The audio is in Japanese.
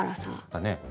だね。